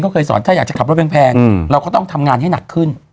เขาเคยสอนถ้าอยากจะขับรถแพงเราก็ต้องทำงานให้หนักขึ้น